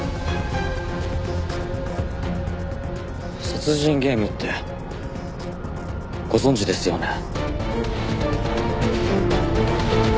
殺人ゲームってご存じですよね？